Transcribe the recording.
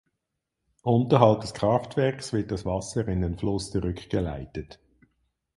Unterhalb des Kraftwerks wird das Wasser in den Fluss zurückgeleitet.